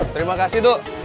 terima kasih duk